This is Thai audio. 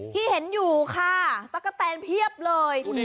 ที่เห็นอยู่ค่ะตั๊กกะแตนเพียบเลย